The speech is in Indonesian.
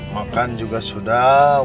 makan juga sudah